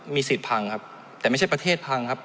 มีสิทธิ์พังครับแต่ไม่ใช่ประเทศพังครับ